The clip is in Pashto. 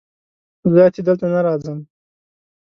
زه اتي دلته نه راځم